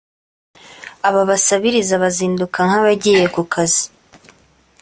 aba basabiriza bazinduka nk’abagiye ku kazi